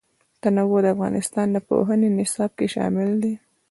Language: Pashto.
تنوع د افغانستان د پوهنې نصاب کې شامل دي.